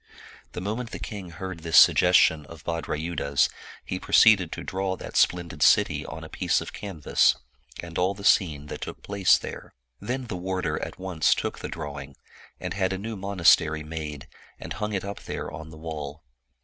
The mo 158 A MatihhaHng Maiden ment the king heard this suggestion of Bhadra3rudha's, he proceeded to draw that splendid city on a piece of canvas, and all the scene that took place there. Then the warder at once took the drawing, and had a new monastery made, and hung it up there on the wall.